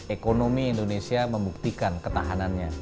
ekonomi indonesia membuktikan ketahanannya